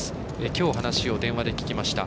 きょう、話を電話で聞きました。